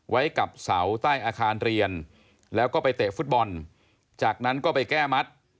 ไว้กับเสาใต้อาคารเรียนแล้วก็ไปเตะฟุตบอลจากนั้นก็ไปแก้มัด